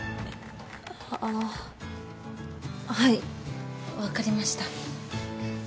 あっはい分かりました。